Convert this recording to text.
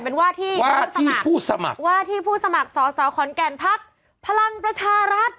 เป็นว่าที่ว่าที่ผู้สมัครว่าที่ผู้สมัครสอสอขอนแก่นพักพลังประชารัฐ